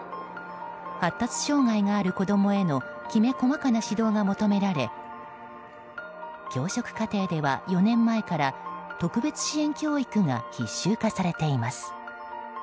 発達障害がある子供へのきめ細かな指導が求められ教職課程では４年前から特別支援教育が必修化されています。